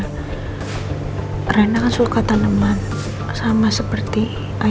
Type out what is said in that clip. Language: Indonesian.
karena dia udah berubah